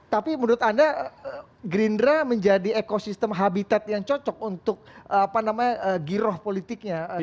tapi menurut anda gerindra menjadi ekosistem habitat yang cocok untuk giroh politiknya